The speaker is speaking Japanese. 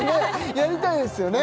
やりたいですよね